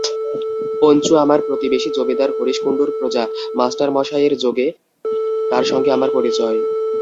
পঞ্চু আমার প্রতিবেশী জমিদার হরিশ কুণ্ডুর প্রজা, মাস্টারমশায়ের যোগে তার সঙ্গে আমার পরিচয়।